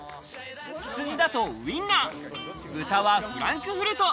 羊だとウインナー、豚はフランクフルト。